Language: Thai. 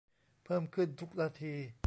เพิ่มขึ้นทุกนาที